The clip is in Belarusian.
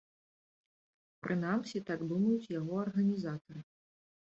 Прынамсі, так думаюць яго арганізатары.